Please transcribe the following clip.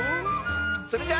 それじゃあ。